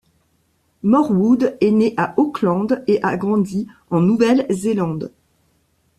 Morwood est né à Auckland et a grandi en Nouvelle-Zélande.